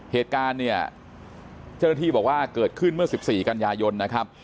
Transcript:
เหตุการณ์เนี่ยเจ้าหน้าที่บอกว่าเกิดขึ้นเมื่อ๑๔กันยายนนะครับ